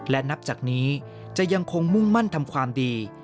และนับจากนี้จะยังคงมุ่งมั่นทำความดี